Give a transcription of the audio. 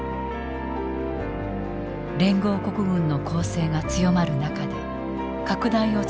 連合国軍の攻勢が強まる中で拡大を続けた戦争動員。